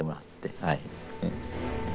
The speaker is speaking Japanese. はい。